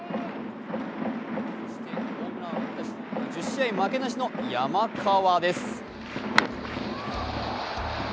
１０試合負けなしの山川です。